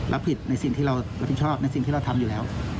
รับผิดในสิ่งที่เรารับผิดชอบในสิ่งที่เราทำอยู่แล้ว